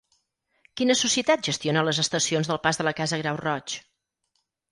Quina societat gestiona les estacions del Pas de la Casa-Grau Roig?